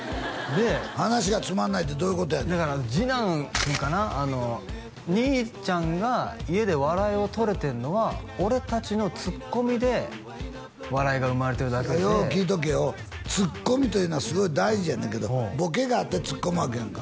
話がつまんないってどういうことやねん次男くんかな兄ちゃんが家で笑いをとれてんのは俺達のつっこみで笑いが生まれてるだけでよう聞いとけよつっこみというのはすごい大事やねんけどボケがあってつっこむわけやんか